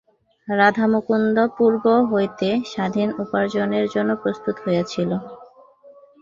রাধামুকুন্দ পূর্ব হইতেই স্বাধীন উপার্জনের জন্য প্রস্তুত হইয়াছিল।